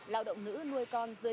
lao động nữ nuôi con dưới một tuổi